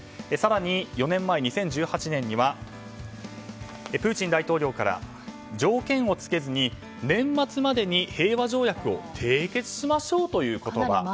更に４年前、２０１８年にはプーチン大統領から条件を付けずに年末までに平和条約を締結しましょうという言葉。